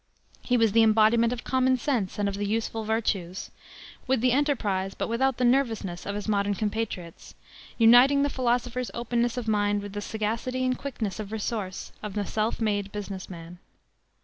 He was the embodiment of common sense and of the useful virtues; with the enterprise but without the nervousness of his modern compatriots, uniting the philosopher's openness of mind with the sagacity and quickness of resource of the self made business man.